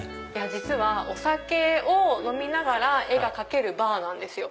実はお酒を飲みながら絵が描けるバーなんですよ。